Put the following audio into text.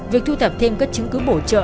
việc thu thập thêm các chứng cứ bổ trợ